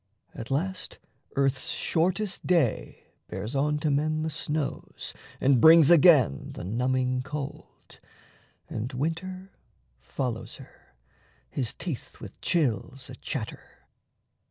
At last earth's Shortest Day Bears on to men the snows and brings again The numbing cold. And Winter follows her, His teeth with chills a chatter.